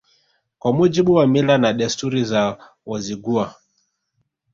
Kwa mujibu wa mila na desturi za Wazigua